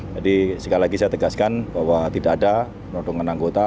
jadi sekali lagi saya tegaskan bahwa tidak ada penodongan anggota